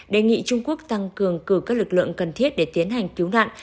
đề nghị trung quốc tăng cường cử các lực lượng cần thiết để tiến hành cứu nạn